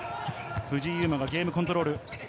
藤井祐眞がゲームをコントロール。